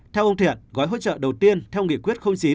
theo ông thiện gói hỗ trợ đầu tiên theo nghị quyết chín